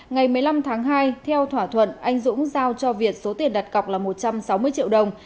ngày một mươi năm tháng hai theo thỏa thuận anh dũng giao cho việt số tiền đặt cọc là một trăm sáu mươi triệu đồng